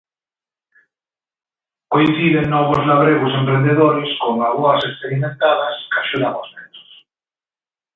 Coinciden novos labregos emprendedores con avoas experimentadas que axudan os netos.